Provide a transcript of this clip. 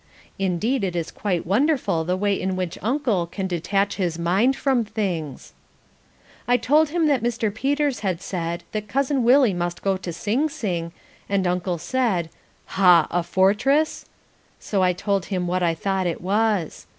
Indeed it is quite wonderful the way in which Uncle can detach his mind from things. I told him that Mr. Peters had said that Cousin Willie must go to Sing Sing, and Uncle said, "Ha! a fortress?" So I told him that I thought it was.